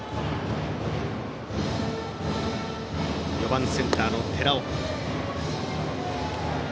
４番センターの寺尾。